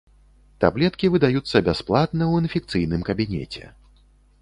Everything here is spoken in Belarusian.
Таблеткі выдаюцца бясплатна ў інфекцыйным кабінеце.